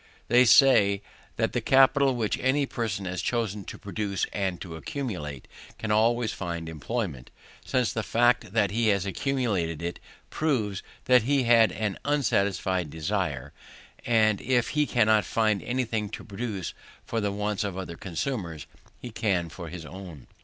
They say, that the capital, which any person has chosen to produce and to accumulate, can always find employment, since the fact that he has accumulated it proves that he had an unsatisfied desire; and if he cannot find anything to produce for the wants of other consumers, he can for his own.